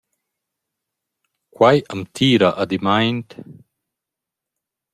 Quai am tira adimmaint…!